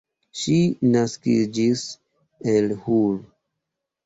Ŝi naskiĝis en Hull.